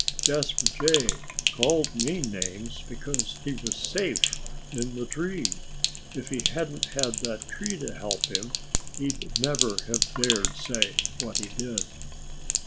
Jasper Jay called me names because he was safe in the tree. If he hadn't had that tree to help him he'd never have dared say what he did.